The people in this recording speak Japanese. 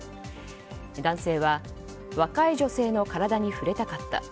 男性は若い女性の体に触れたかった。